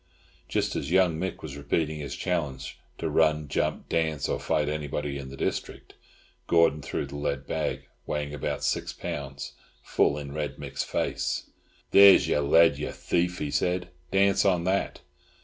Just as young Mick was repeating his challenge to run, jump, dance, or fight anybody in the district, Gordon threw the lead bag, weighing about six pounds, full in Red Mick's face. "There's your lead, you thief!" he said. "Dance on that!"